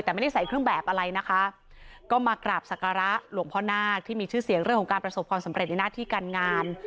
แต่ไม่ได้ใส่เครื่องแบบอะไรนะคะก็มากราบศักระหลวงพ่อนาคที่มีชื่อเสียงเรื่องของการประสบความสำเร็จในหน้าที่การงาน